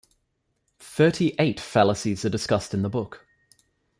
Thirty-eight fallacies are discussed in the book.